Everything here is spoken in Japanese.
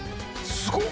すごっ！